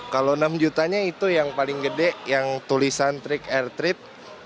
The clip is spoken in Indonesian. kalau enam jutanya itu yang paling gede yang tulisan trick r treat